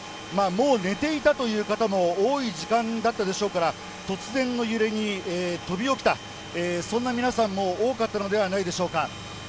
もう寝ていたという方も多い時間だったでしょうから、突然の揺れに飛び起きた、そんな皆さんも多かったのではないでしょうか。